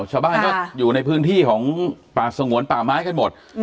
ชาวบ้านก็อยู่ในพื้นที่ของป่าสงวนป่าไม้กันหมด